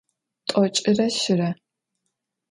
T'oç'ıre şıre.